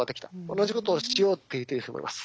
同じことをしようって言ってる人もいます。